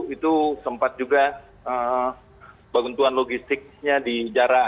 itu sempat juga bantuan logistiknya dijarah